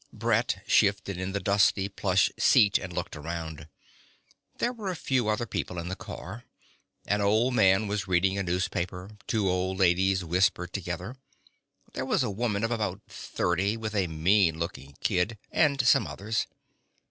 Brett shifted in the dusty plush seat and looked around. There were a few other people in the car. An old man was reading a newspaper; two old ladies whispered together. There was a woman of about thirty with a mean looking kid; and some others.